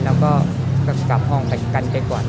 เราก็กลับห้องที่กันก่อน